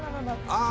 ああ。